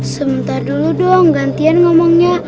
sebentar dulu dong gantian ngomongnya